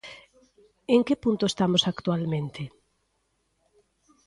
En que punto estamos actualmente?